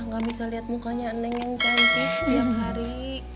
gak bisa liat mukanya neng yang cantik setiap hari